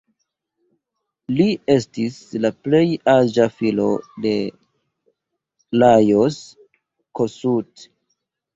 Li estis la plej aĝa filo de Lajos Kossuth.